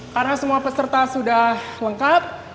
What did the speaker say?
karena semua peserta sudah lengkap